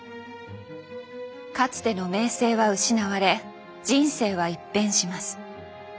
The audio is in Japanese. かつての名声は失われ人生は一変します。